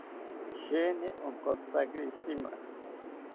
Sheeni onkotzitakiri shima